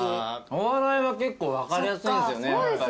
お笑いは結構分かりやすいんすよね。